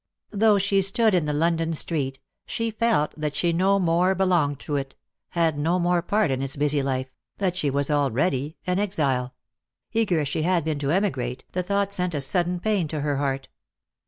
Though she stood in the London street, she felt that she no more belonged to it, had no more part in its busy life, that she was already an exile. Eager as she had been to emigrate, the thought sent a sudden pain to her heart.